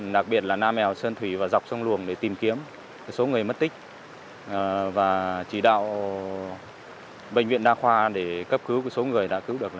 đặc biệt là nam mèo sơn thủy và dọc sông luồng để tìm kiếm số người mất tích và chỉ đạo bệnh viện đa khoa để cấp cứu số người đã cứu được